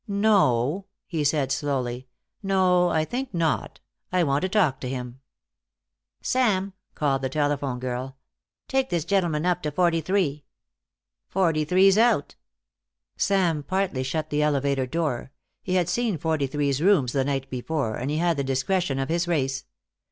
"No," he said slowly. "No. I think not. I want to talk to him." "Sam," called the telephone girl, "take this gentleman up to forty three." "Forty three's out." Sam partly shut the elevator door; he had seen Forty three's rooms the night before, and he had the discretion of his race.